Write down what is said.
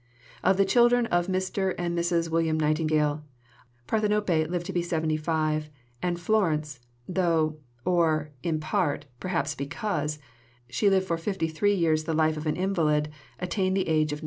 Of the children of Mr. and Mrs. William Nightingale, Parthenope lived to be 75, and Florence, though (or, in part, perhaps, because) she lived for 53 years the life of an invalid, attained the age of 90.